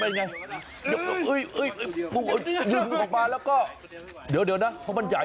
ดึงพุงออกมาแล้วก็เดี๋ยวน่ะเพราะมันใหญ่